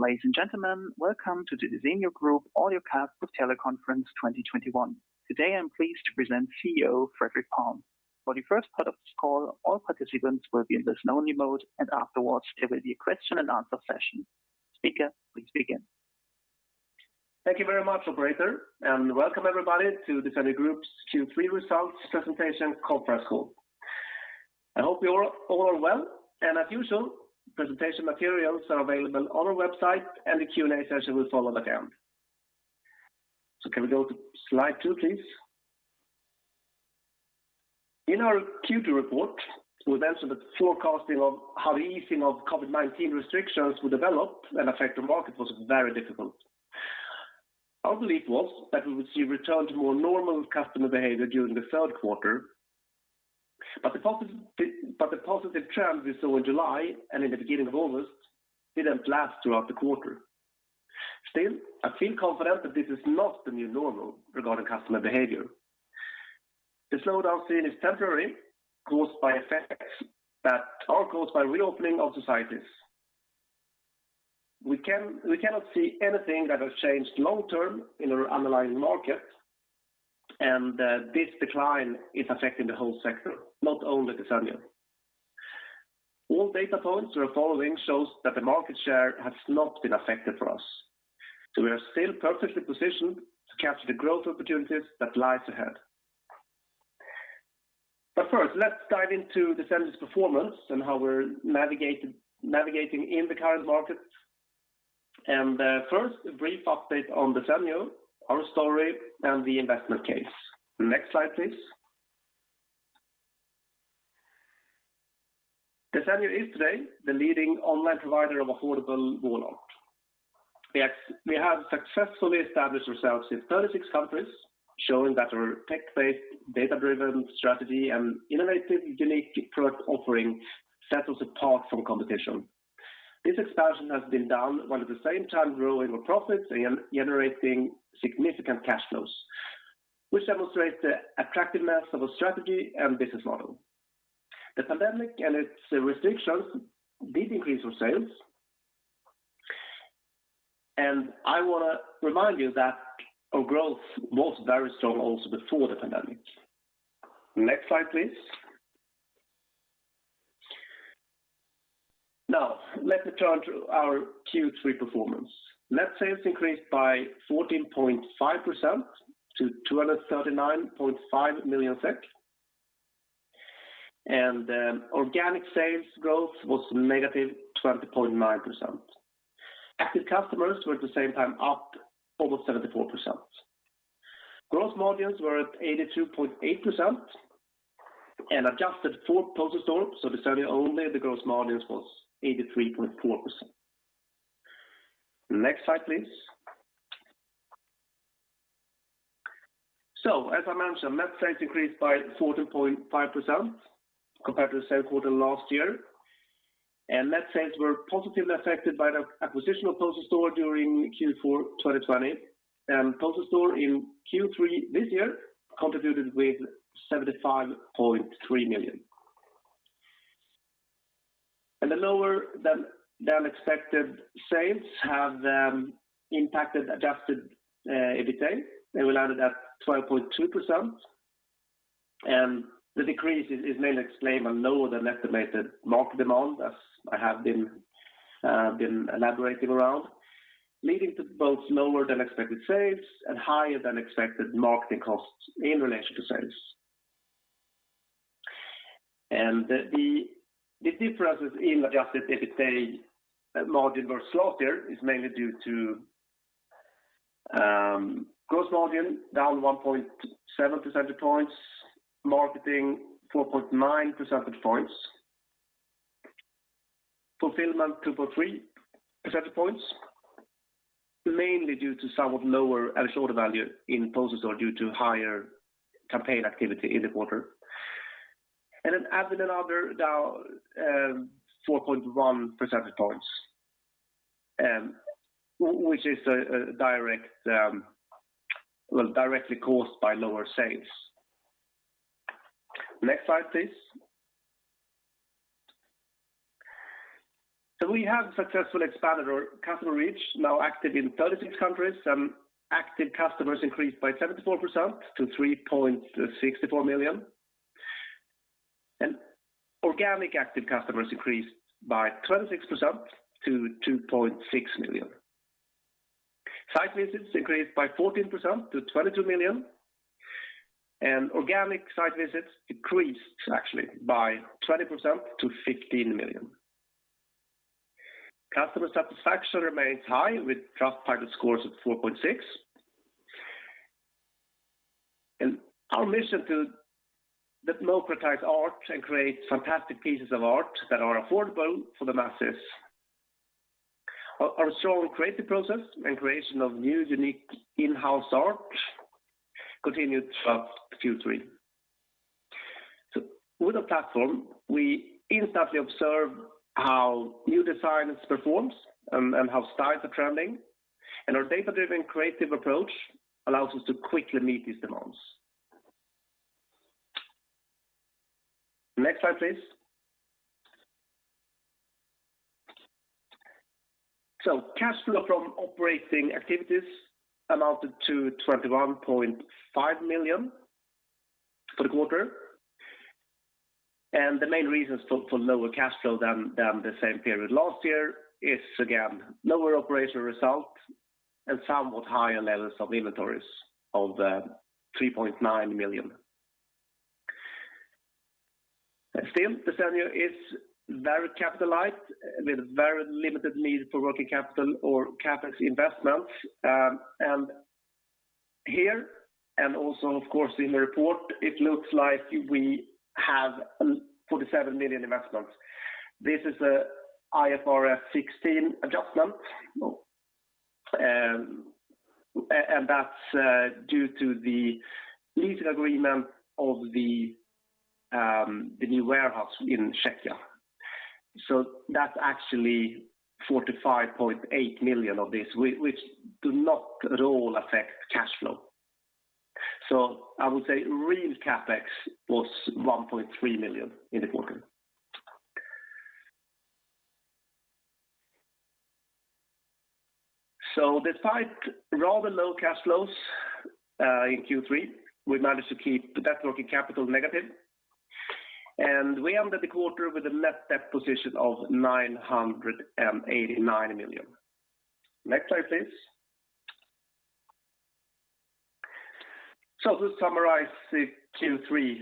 Ladies and gentlemen, welcome to the Desenio Group Audiocast for Teleconference 2021. Today, I'm pleased to present CEO Fredrik Palm. For the first part of this call, all participants will be in listen-only mode, and afterwards, there will be a question and answer session. Speaker please begin. Thank you very much, operator, and welcome everybody to Desenio Group's Q3 results presentation conference call. I hope you're all well and as usual presentation materials are available on our website and the Q&A session will follow the end. Can we go to slide two, please? In our Q2 report, we mentioned that forecasting of how the easing of COVID-19 restrictions will develop and affect the market was very difficult. Our belief was that we would see a return to more normal customer behavior during the third quarter. The positive trends we saw in July and in the beginning of August didn't last throughout the quarter. Still, I feel confident that this is not the new normal regarding customer behavior. The slowdown seen is temporary caused by effects that are caused by reopening of societies. We cannot see anything that has changed long term in our underlying market and this decline is affecting the whole sector not only Desenio. All data points we are following shows that the market share has not been affected for us. We are still perfectly positioned to capture the growth opportunities that lie ahead. First, let's dive into Desenio's performance and how we're navigating in the current market. First, a brief update on Desenio, our story, and the investment case. Next slide, please. Desenio is today the leading online provider of affordable wall art. We have successfully established ourselves in 36 countries, showing that our tech-based, data-driven strategy and innovative, unique product offering sets us apart from competition. This expansion has been done while at the same time growing our profits and generating significant cash flows which demonstrates the attractiveness of our strategy and business model. The pandemic and its restrictions did increase our sales. I want to remind you that our growth was very strong also before the pandemic. Next slide, please. Now, let me turn to our Q3 performance. Net sales increased by 14.5% to SEK 239.5 million. Organic sales growth was -20.9%. Active customers were at the same time up over 74%. Gross margins were at 82.8% and adjusted for Poster Store, so Desenio only the gross margins was 83.4%. Next slide, please. As I mentioned, net sales increased by 14.5% compared to the same quarter last year. Net sales were positively affected by the acquisition of Poster Store during Q4 2020. Poster Store in Q3 this year contributed with SEK 75.3 million. The lower than expected sales have impacted adjusted EBITA. They landed at 12.2%. The decrease is mainly explained by lower than estimated market demand, as I have been elaborating around, leading to both lower than expected sales and higher than expected marketing costs in relation to sales. The differences in adjusted EBITA margin versus last year is mainly due to gross margin down 1.7 percentage points, marketing 4.9 percentage points, fulfillment 2.3 percentage points, mainly due to somewhat lower average order value in Poster Store due to higher campaign activity in the quarter. Admin and other, down 4.1 percentage points which is directly caused by lower sales. Next slide, please. We have successfully expanded our customer reach now active in 36 countries and active customers increased by 74% to 3.64 million. Organic active customers increased by 26% to 2.6 million. Site visits increased by 14% to 22 million, and organic site visits decreased actually by 20% to 15 million. Customer satisfaction remains high with Trustpilot scores of 4.6. Our mission to democratize art and create fantastic pieces of art that are affordable for the masses. Our strong creative process and creation of new, unique in-house art continued throughout Q3. With the platform, we instantly observe how new designs performs, and how styles are trending. Our data-driven creative approach allows us to quickly meet these demands. Next slide, please. Cash flow from operating activities amounted to 21.5 million for the quarter. The main reasons for lower cash flow than the same period last year is again lower operational results and somewhat higher levels of inventories of 3.9 million. Still, Desenio is very capitalized with very limited need for working capital or CapEx investments. Here and also, of course, in the report, it looks like we have 47 million investments. This is a IFRS 16 adjustment. That's due to the lease agreement of the new warehouse in Czechia. That's actually 45.8 million of this, which do not at all affect cash flow. I would say real CapEx was 1.3 million in the quarter. Despite rather low cash flows in Q3, we managed to keep the net working capital negative. We ended the quarter with a net debt position of 989 million. Next slide, please. To summarize the Q3,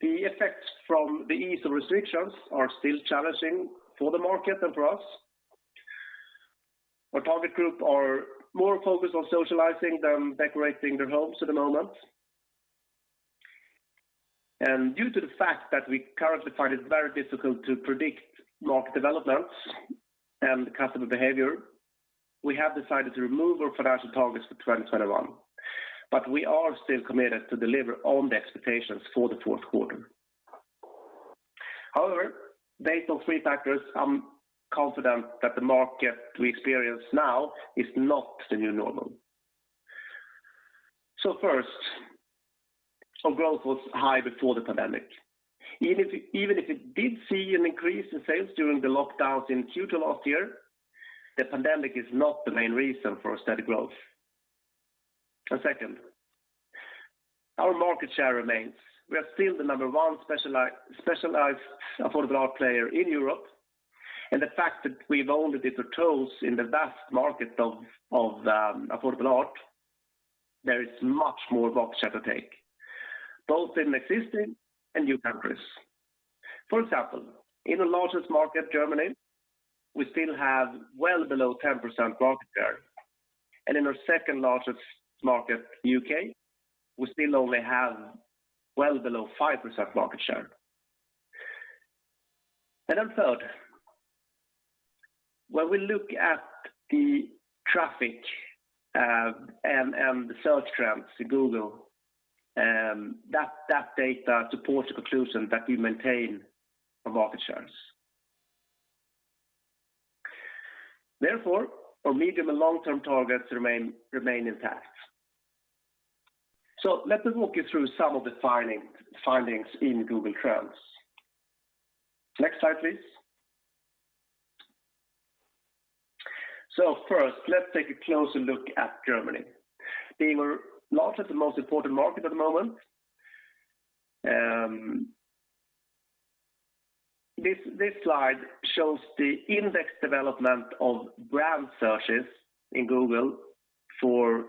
the effects from the ease of restrictions are still challenging for the market and for us. Our target group are more focused on socializing than decorating their homes at the moment. Due to the fact that we currently find it very difficult to predict market developments and customer behavior, we have decided to remove our financial targets for 2021. We are still committed to deliver on the expectations for the fourth quarter. However, based on three factors, I'm confident that the market we experience now is not the new normal. First, our growth was high before the pandemic. Even if it did see an increase in sales during the lockdowns in Q2 last year, the pandemic is not the main reason for our steady growth. Second, our market share remains. We are still the number one specialized affordable art player in Europe. The fact that we've only dipped our toes in the vast market of affordable art, there is much more market share to take, both in existing and new countries. For example, in the largest market, Germany, we still have well below 10% market share. In our second-largest market, U.K., we still only have well below 5% market share. Then third, when we look at the traffic and the search trends to Google, that data supports the conclusion that we maintain our market shares. Therefore, our medium- and long-term targets remain intact. Let me walk you through some of the findings in Google Trends. Next slide, please. First, let's take a closer look at Germany being our largest and most important market at the moment. This slide shows the index development of brand searches in Google for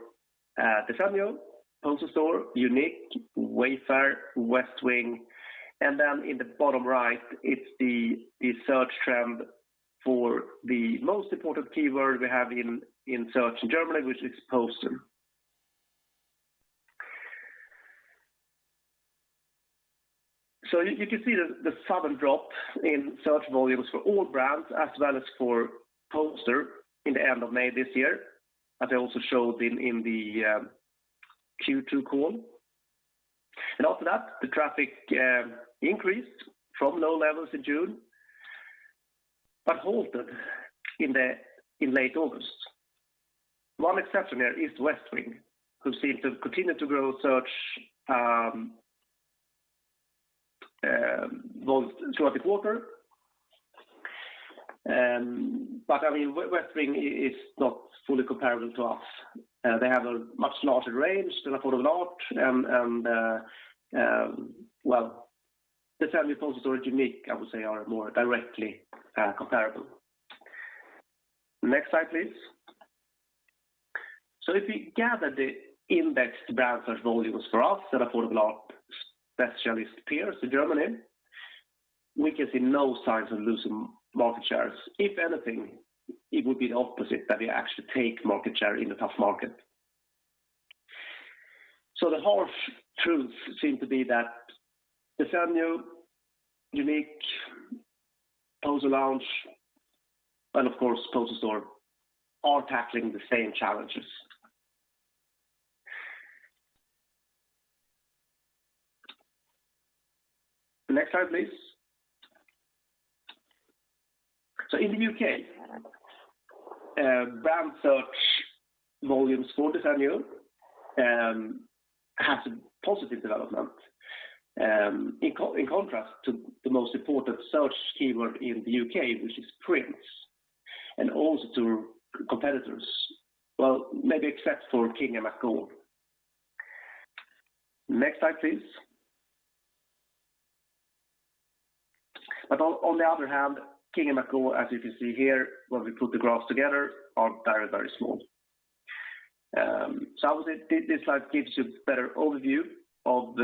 Desenio, Poster Store, JUNIQE, Wayfair, Westwing, and then in the bottom right is the search trend for the most important keyword we have in search in Germany which is Poster. You can see the sudden drop in search volumes for all brands as well as for Poster in the end of May this year as I also showed in the Q2 call. After that, the traffic increased from low levels in June but halted in late August. One exception there is Westwing, who seemed to continue to grow search both throughout the quarter. I mean, Westwing is not fully comparable to us. They have a much larger range than affordable art and well, Desenio, Poster Store, JUNIQE, I would say are more directly comparable. Next slide, please. If we gather the indexed brand search volumes for us and affordable art specialist peers in Germany we can see no signs of losing market shares. If anything, it would be the opposite that we actually take market share in a tough market. The whole truth seems to be that Desenio, JUNIQE, Posterlounge, and of course Poster Store are tackling the same challenges. Next slide, please. In the U.K., brand search volumes for Desenio has a positive development in contrast to the most important search keyword in the U.K. Which is prints and also to competitors. Well, maybe except for King & McGaw. Next slide, please. On the other hand, King & McGaw, as you can see here, when we put the graphs together are very small. I would say this slide gives you better overview of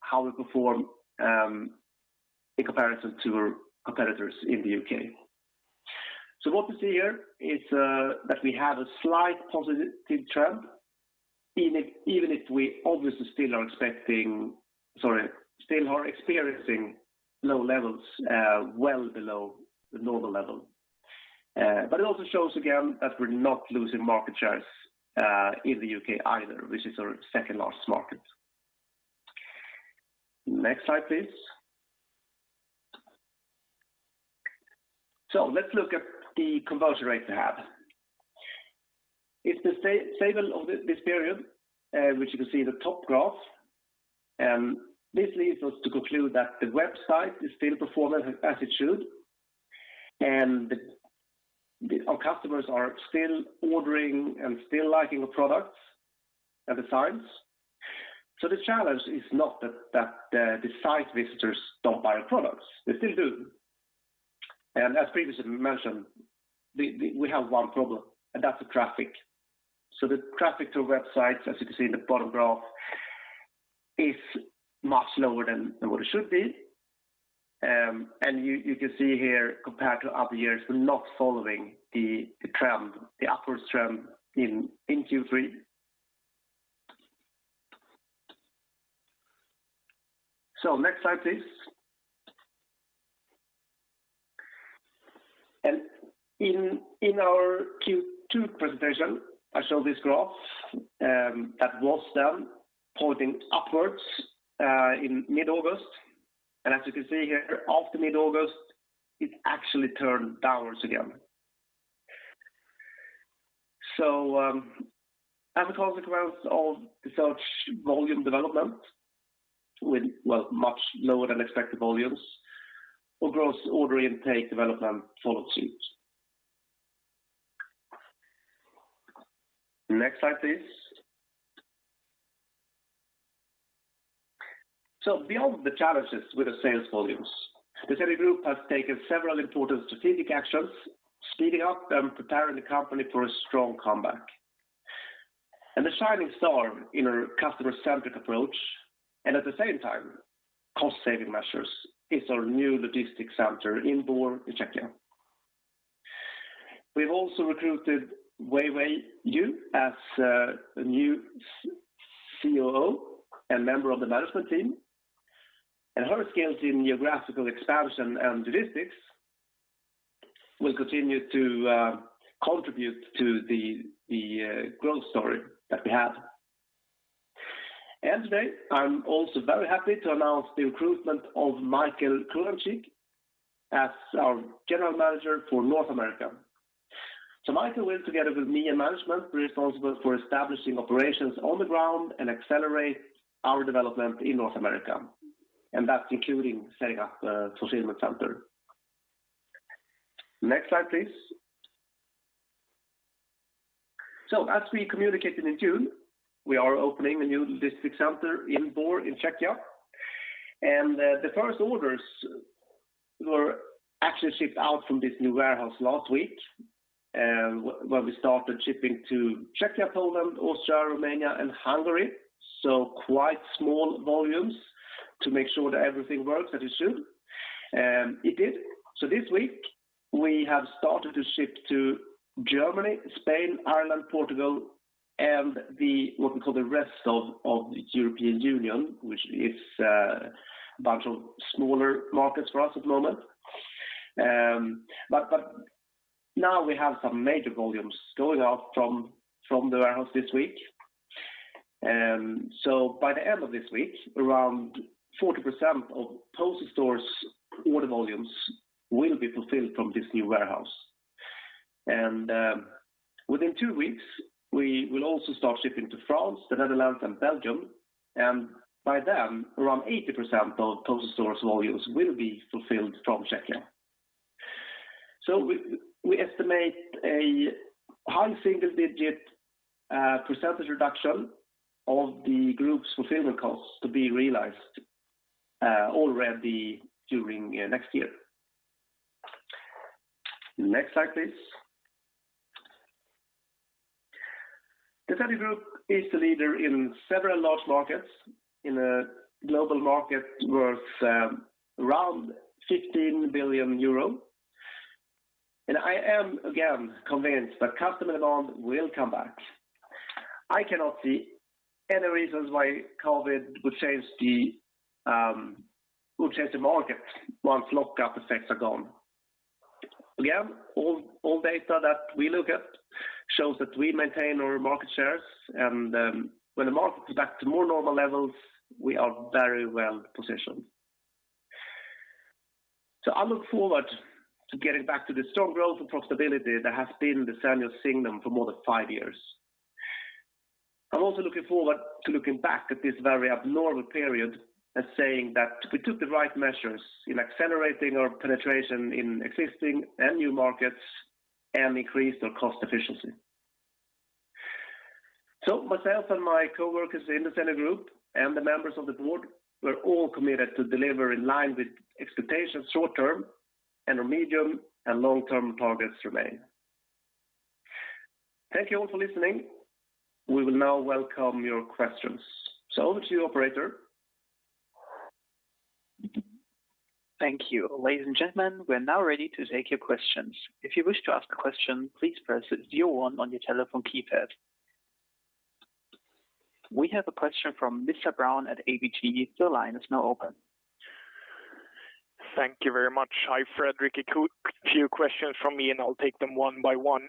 how we perform in comparison to our competitors in the U.K. What we see here is that we have a slight positive trend even if we obviously still are experiencing low levels well below the normal level. It also shows again that we're not losing market shares in the U.K. either which is our second largest market. Next slide, please. Let's look at the conversion rate we have. If the stable of this period, which you can see the top graph, this leads us to conclude that the website is still performing as it should and our customers are still ordering and still liking the products and designs. The challenge is not that the site visitors don't buy our products. They still do. As previously mentioned, we have one problem, and that's the traffic. The traffic to websites, as you can see in the bottom graph, is much lower than what it should be. You can see here compared to other years we're not following the upwards trend in Q3. Next slide, please. In our Q2 presentation, I showed this graph that was then pointing upwards in mid-August. As you can see here after mid-August it actually turned downwards again. As a consequence of the search volume development with volumes much lower than expected gross order intake development followed suit. Next slide, please. Beyond the challenges with the sales volumes, the Desenio Group has taken several important strategic actions, speeding up and preparing the company for a strong comeback. The shining star in our customer-centric approach, and at the same time, cost-saving measures is our new logistics center in Bor, in Czechia. We've also recruited Weiwei Yue as the new CEO and member of the management team, and her skills in geographical expansion and logistics will continue to contribute to the growth story that we have. Today, I'm also very happy to announce the recruitment of Michael Kurlancheek as our General Manager for North America. Michael will, together with me and management will be responsible for establishing operations on the ground and accelerate our development in North America, and that's including setting up a fulfillment center. Next slide, please. As we communicated in June, we are opening a new distribution center in Bor in Czechia. The first orders were actually shipped out from this new warehouse last week when we started shipping to Czechia, Poland, Austria, Romania and Hungary, so quite small volumes to make sure that everything works as it should. It did. This week, we have started to ship to Germany, Spain, Ireland, Portugal and what we call the rest of the European Union, which is a bunch of smaller markets for us at the moment. But now we have some major volumes going out from the warehouse this week. By the end of this week, around 40% of Poster Store's order volumes will be fulfilled from this new warehouse. Within two weeks, we will also start shipping to France, the Netherlands and Belgium. By then, around 80% of Poster Store's volumes will be fulfilled from Czechia. We estimate a high single-digit percentage reduction of the group's fulfillment costs to be realized already during next year. Next slide, please. The Desenio Group is the leader in several large markets in a global market worth 15 billion euros. I am again convinced that customer demand will come back. I cannot see any reasons why COVID would change the market once lockdown effects are gone. All data that we look at shows that we maintain our market shares and when the market is back to more normal levels we are very well positioned. I look forward to getting back to the strong growth and profitability that has been the Desenio signal for more than five years. I'm also looking forward to looking back at this very abnormal period as saying that we took the right measures in accelerating our penetration in existing and new markets and increased our cost efficiency. Myself and my coworkers in the Desenio Group and the members of the board, we're all committed to deliver in line with expectations short-term and our medium and long-term targets remain. Thank you all for listening. We will now welcome your questions. Over to you, operator. Thank you. Ladies and gentlemen, we're now ready to take your questions. If you wish to ask a question, please press zero-one on your telephone keypad. We have a question from Mr. Brown at ABG. Your line is now open. Thank you very much. Hi, Fredrik. Few questions from me and I'll take them one by one.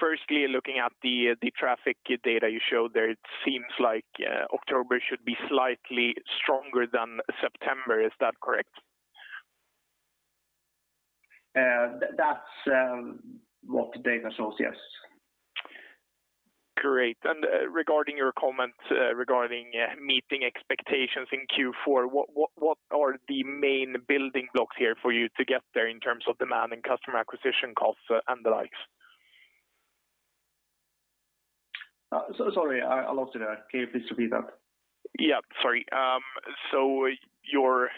Firstly, looking at the traffic data you showed there, it seems like October should be slightly stronger than September. Is that correct? That's what the data shows, yes. Great. Regarding your comment regarding meeting expectations in Q4, what are the main building blocks here for you to get there in terms of demand and customer acquisition costs and the likes? Sorry, I lost you there. Can you please repeat that? Yeah, sorry. Your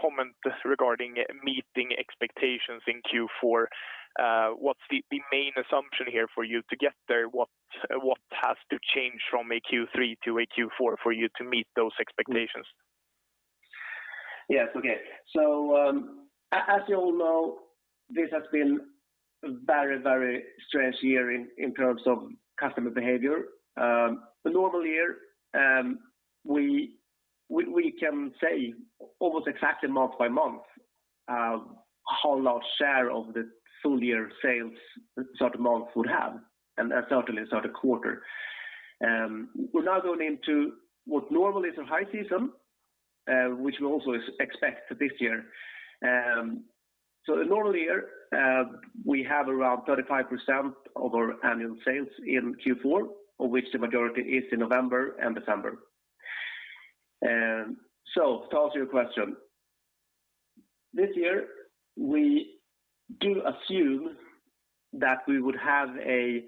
comment regarding meeting expectations in Q4. What's the main assumption here for you to get there? What has to change from a Q3 to a Q4 for you to meet those expectations? Yes. Okay. As you all know, this has been a very strange year in terms of customer behavior. In a normal year, we can say almost exactly month by month how large a share of the full year sales a certain month would have and certainly the start of a quarter. We're now going into what normally is a high season, which we also expect this year. In a normal year, we have around 35% of our annual sales in Q4, of which the majority is in November and December. To answer your question, this year we do assume that we would have a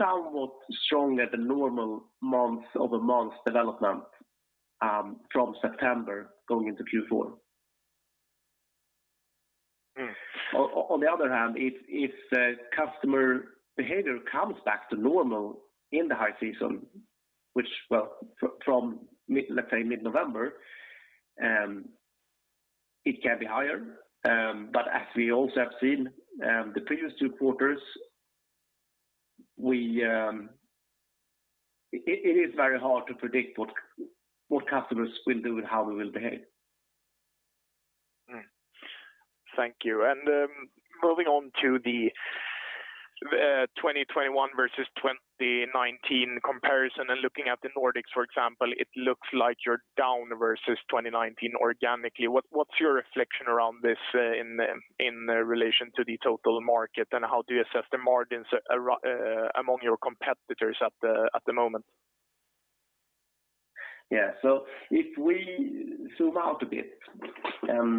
somewhat stronger than normal month-over-month development from September going into Q4. Mm. On the other hand, if the customer behavior comes back to normal in the high season, which from mid, let's say mid-November, it can be higher. As we also have seen the previous two quarters, it is very hard to predict what customers will do and how we will behave. Thank you. Moving on to the 2021 versus 2019 comparison and looking at the Nordics for example, it looks like you're down versus 2019 organically. What’s your reflection around this in relation to the total market? How do you assess the margins among your competitors at the moment? Yeah. If we zoom out a bit and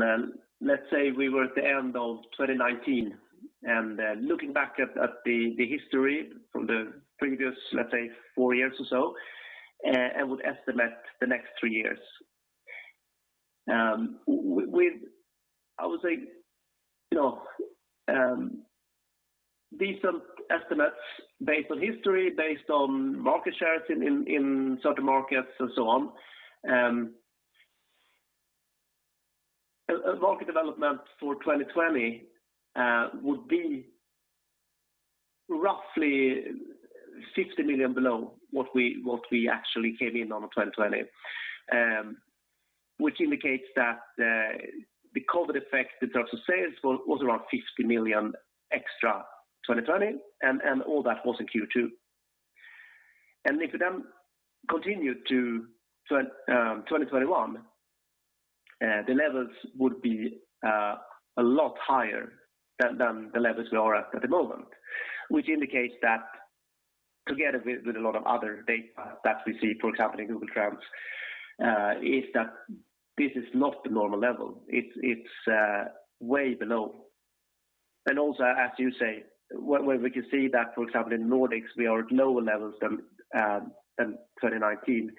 let's say we were at the end of 2019 and looking back at the history from the previous, let's say four years or so and would estimate the next three years. With, I would say, you know, decent estimates based on history, based on market shares in certain markets and so on. A market development for 2020 would be roughly 50 million below what we actually came in on 2020. Which indicates that the COVID effect in terms of sales was around 50 million extra 2020 and all that was in Q2. If we then continue to 2021, the levels would be a lot higher than the levels we are at at the moment. Which indicates that together with a lot of other data that we see, for example, in Google Trends, is that this is not the normal level. It's way below. Also, as you say, when we can see that, for example, in Nordics we are at lower levels than 2019,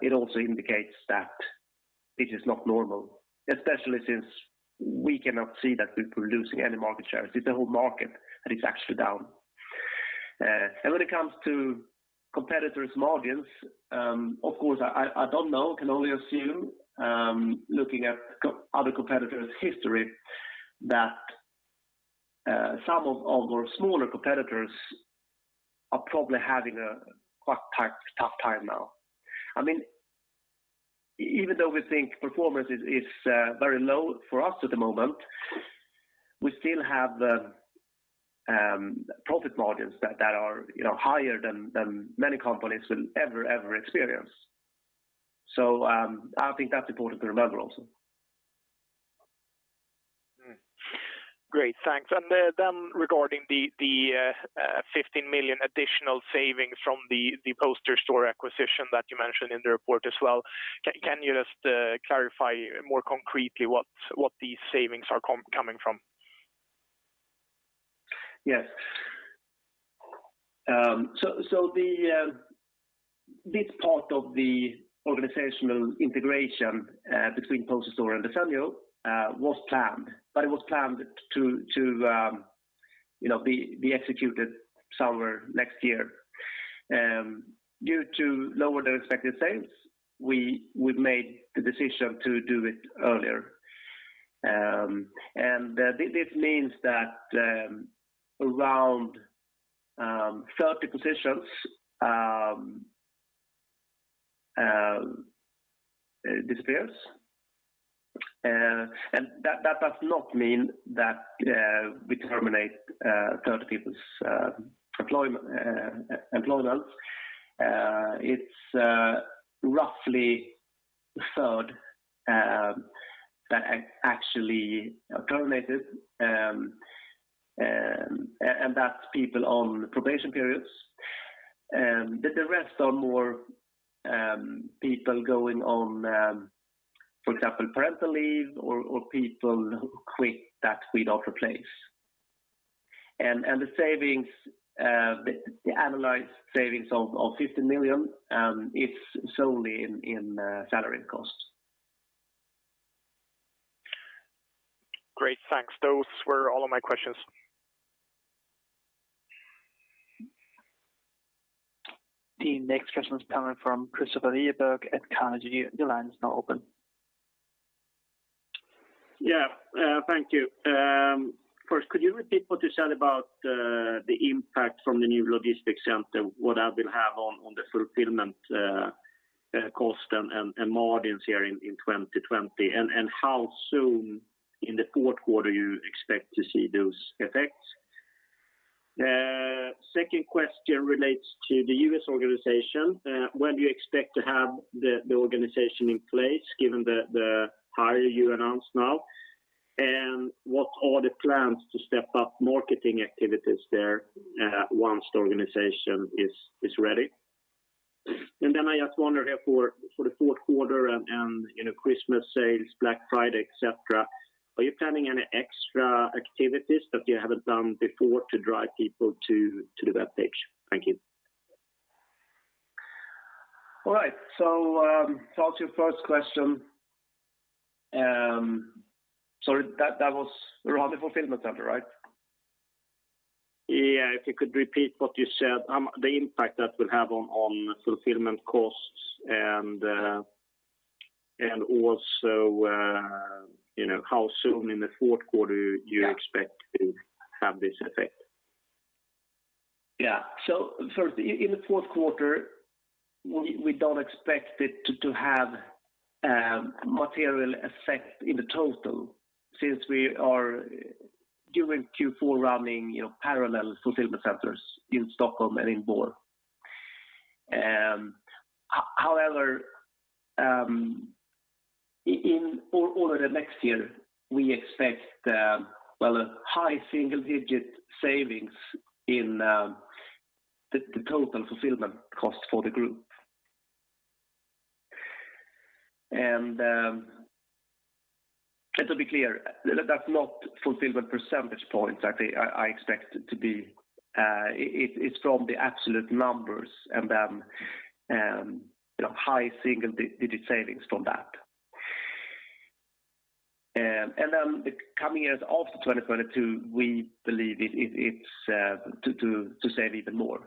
it also indicates that it is not normal especially since we cannot see that we're losing any market shares. It's the whole market that is actually down. When it comes to competitors' margins, of course I don't know, can only assume, looking at other competitors' history that some of our smaller competitors are probably having a quite tough time now. I mean, even though we think performance is very low for us at the moment, we still have the profit margins that are, you know, higher than many companies will ever experience. I think that's important to remember also. Great. Thanks. Regarding the 15 million additional savings from the Poster Store acquisition that you mentioned in the report as well. Can you just clarify more concretely what these savings are coming from? Yes. So this part of the organizational integration between Poster Store and Desenio was planned but it was planned to you know be executed somewhere next year. Due to lower than expected sales, we've made the decision to do it earlier. This means that around 30 positions disappears. That does not mean that we terminate 30 people's employment. It's roughly a third that actually are terminated and that's people on probation periods. But the rest are more people going on for example parental leave or people who quit that we don't replace. The savings, the analyzed savings of 15 million, it's solely in salary costs. Great. Thanks. Those were all of my questions. The next question is coming from Kristofer Liljeberg at Carnegie. Your line is now open. Yeah. Thank you. First, could you repeat what you said about the impact from the new logistics center? What that will have on the fulfillment cost and margins here in 2020? And how soon in the fourth quarter you expect to see those effects? Second question relates to the U.S. organization. When do you expect to have the organization in place given the hire you announced now? And what are the plans to step up marketing activities there once the organization is ready? And then I just wonder here for the fourth quarter and, you know, Christmas sale, Black Friday, et cetera, are you planning any extra activities that you haven't done before to drive people to the webpage? Thank you. All right. To your first question. Sorry, that was around the fulfillment center, right? Yeah. If you could repeat what you said, the impact that will have on fulfillment costs and also, you know, how soon in the fourth quarter you expect Yeah. to have this effect. Yeah. First, in the fourth quarter, we don't expect it to have material effect in the total since we are doing Q4 running, you know, parallel fulfillment centers in Stockholm and in Borås. However, in 2022 we expect well, a high single-digit savings in the total fulfillment cost for the group. Just to be clear that's not fulfillment percentage points. I expect it to be. It's from the absolute numbers and then, you know, high single-digit savings from that. Then the coming years after 2022 we believe it's to save even more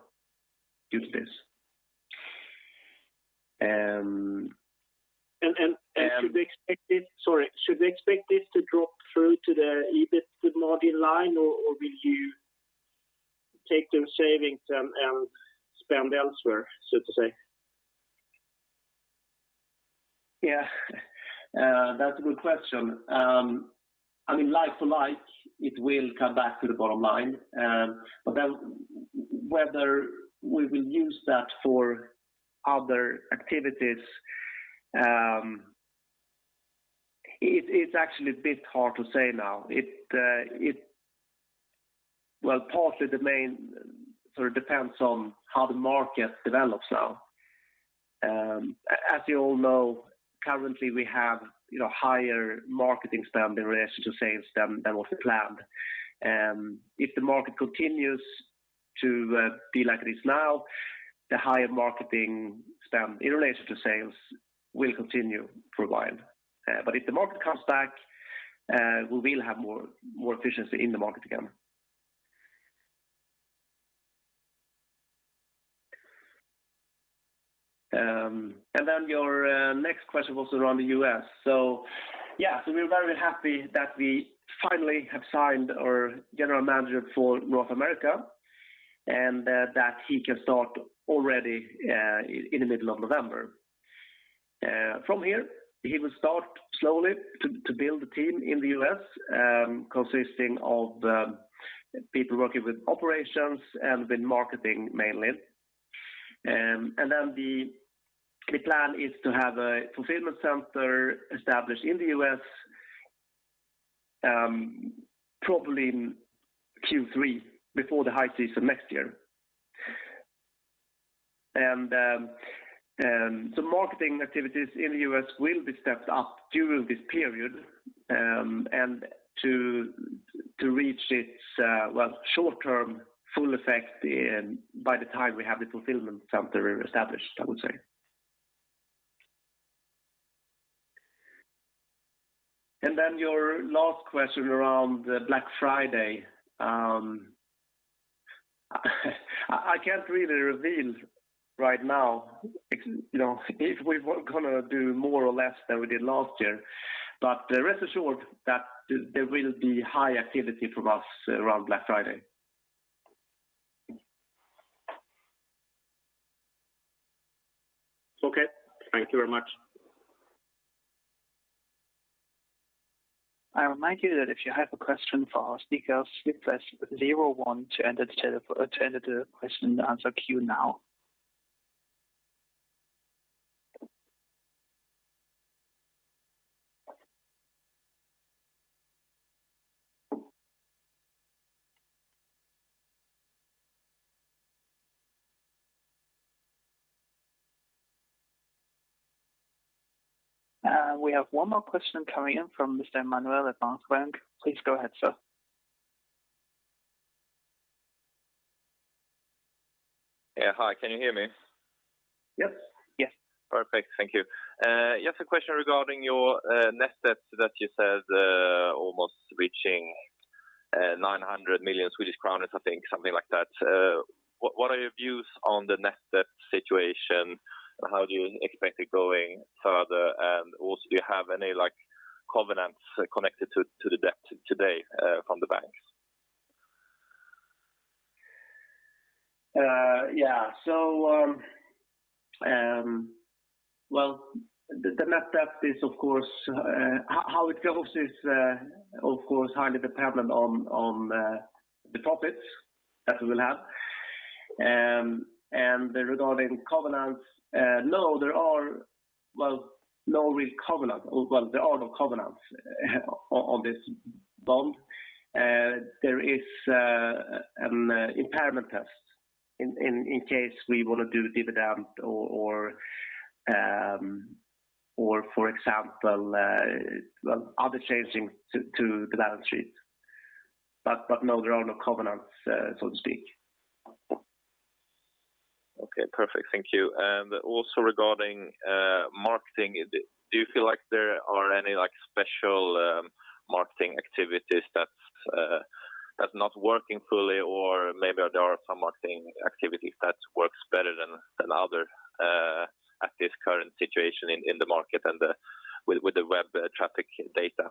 due to this. Should we expect this to drop through to the EBIT margin line, or will you take those savings and spend elsewhere so to say? Yeah. That's a good question. I mean, like for like it will come back to the bottom line. Whether we will use that for other activities, it's actually a bit hard to say now. Well, partly the main sort of depends on how the market develops now. As you all know, currently, we have, you know, higher marketing spend in relation to sales than was planned. If the market continues to be like it is now, the higher marketing spend in relation to sales will continue for a while. If the market comes back we will have more efficiency in the market again. Your next question was around the U.S. Yeah, we're very happy that we finally have signed our general manager for North America. And that he can start already in the middle of November. From here, he will start slowly to build a team in the U.S., consisting of people working with operations and with marketing mainly. Then the plan is to have a fulfillment center established in the U.S. probably in Q3 before the high season next year. The marketing activities in the U.S. will be stepped up during this period and to reach its well, short term full effect by the time we have the fulfillment center established I would say. Then your last question around the Black Friday. I can't really reveal right now. You know, if we were gonna do more or less than we did last year. Rest assured that there will be high activity from us around Black Friday. Okay. Thank you very much. I remind you that if you have a question for our speakers, you press zero one to enter the question and answer queue now. We have one more question coming in from Mr. Emmanuel at Bank [Bend]. Please go ahead, sir. Yeah. Hi, can you hear me? Yes. Yes. Perfect. Thank you. Yes, a question regarding your net debt that you said almost reaching 900 million Swedish crowns, I think, something like that. What are your views on the net debt situation? How do you expect it going further? Also do you have any like covenants connected to the debt today from the banks? Well, the net debt is of course highly dependent on the profits that we will have. Regarding covenants, no there are well no real covenant. Well, there are no covenants on this bond. There is an impairment test in case we want to do dividend or, for example, well, other changing to the balance sheet. No, there are no covenants, so to speak. Okay. Perfect. Thank you. Also regarding marketing, do you feel like there are any like special marketing activities that's not working fully or maybe there are some marketing activities that works better than other at this current situation in the market and with the web traffic data?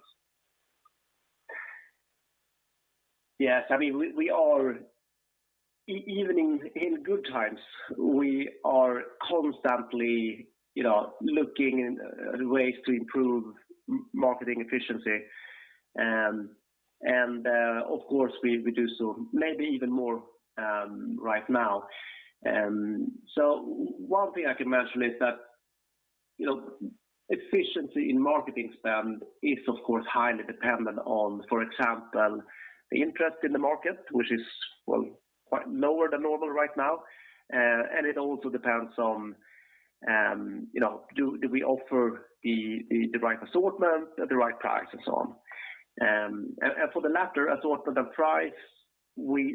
Yes. I mean, we are even in good times constantly, you know, looking at ways to improve marketing efficiency and of course we do so maybe even more right now. One thing I can mention is that, you know, efficiency in marketing spend is of course highly dependent on, for example, the interest in the market, which is, well, quite lower than normal right now. It also depends on, you know, do we offer the right assortment at the right price and so on. For the latter, assortment and price,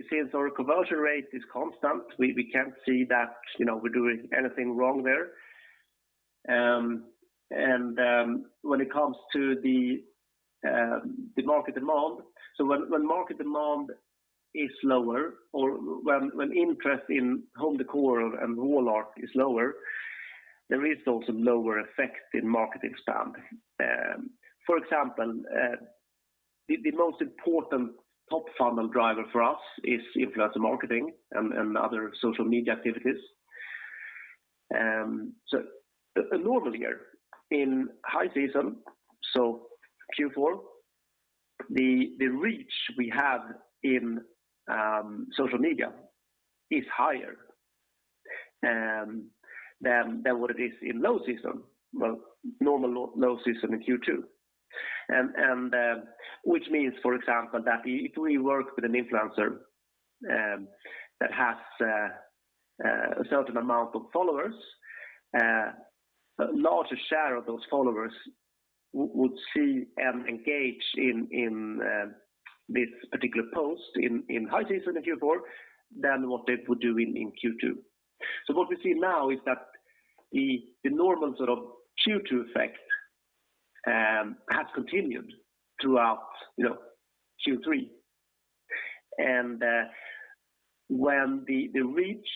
since our conversion rate is constant, we can't see that, you know, we're doing anything wrong there. When it comes to the market demand, when market demand is lower or when interest in home decor and wall art is lower, there is also lower effect in marketing spend. For example, the most important top funnel driver for us is influencer marketing and other social media activities. Normally here in high season so Q4, the reach we have in social media is higher than what it is in low season. Well, normal low season in Q2 which means, for example, that if we work with an influencer that has a certain amount of followers, a larger share of those followers would see and engage in this particular post in high season in Q4 than what they would do in Q2. What we see now is that the normal sort of Q2 effect has continued throughout, you know, Q3. When the reach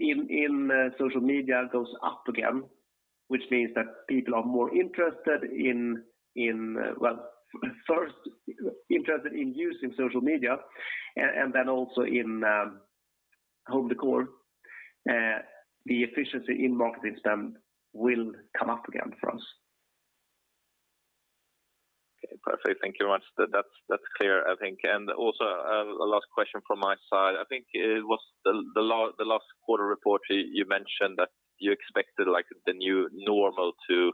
in social media goes up again, which means that people are more interested in, well first interested in using social media and then also in home decor, the efficiency in marketing spend will come up again for us. Okay. Perfect. Thank you much. That's clear I think. Also, a last question from my side. I think it was the last quarter report you mentioned that you expected like the new normal to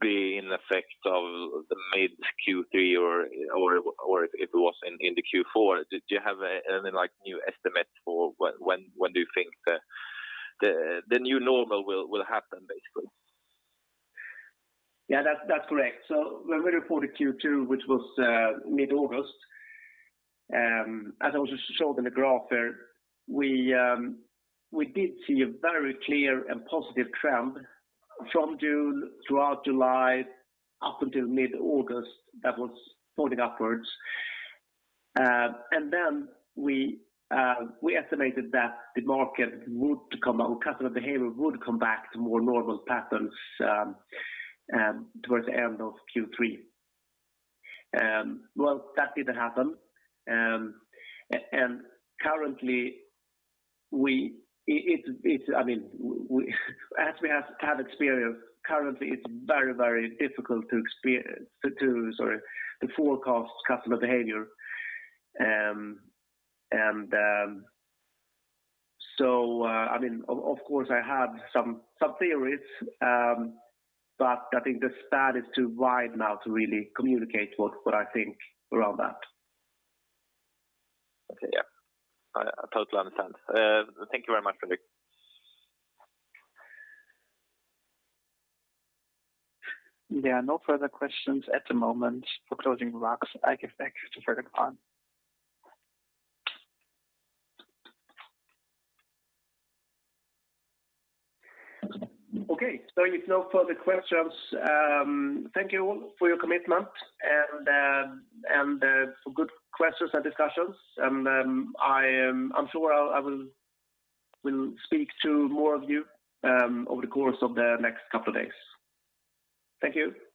be in effect in the mid Q3 or if it was in the Q4. Did you have a, I mean, like new estimate for when do you think the new normal will happen, basically? Yeah, that's correct. When we reported Q2 which was mid-August, as I also showed in the graph there, we did see a very clear and positive trend from June throughout July up until mid-August that was pointing upwards. We estimated that the market would come out, customer behavior would come back to more normal patterns towards the end of Q3. Well, that didn't happen. It's, I mean, we, as we have had experience, currently it's very, very difficult to forecast customer behavior. I mean, of course I have some theories, but I think the stat is too wide now to really communicate what I think around that. Okay. Yeah. I totally understand. Thank you very much, Fredrik. There are no further questions at the moment for closing remarks. I give back to Fredrik Palm. Okay. With no further questions, thank you all for your commitment and for good questions and discussions. I'm sure I'll speak to more of you over the course of the next couple of days. Thank you.